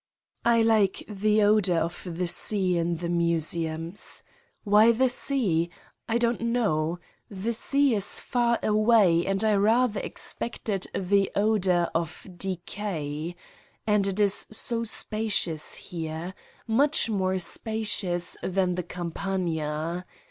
I like the odor of the sea in the museums. Why the sea? I do not know: the sea is far away and I rather expected the odor of decay. And it is so spacious here much more spacious than the Campagna.